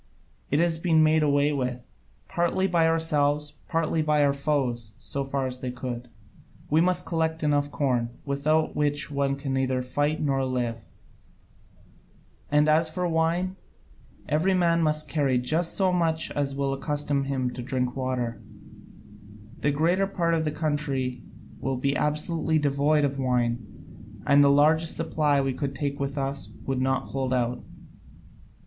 It has all been made away with, partly by ourselves, partly by our foes, so far as they could. We must collect enough corn, without which one can neither fight nor live: and as for wine, every man must carry just so much as will accustom him to drink water: the greater part of the country will be absolutely devoid of wine, and the largest supply we could take with us would not hold out.